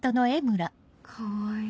かわいい。